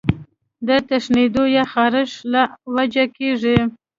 د تښنېدو يا خارښ له وجې کيږي